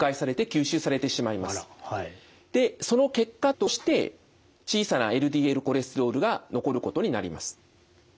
でその結果として小さなＬＤＬコレステロールが残ることになります。